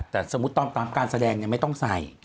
แต่สมมุติตอนตามการแสดงไม่ต้องใส่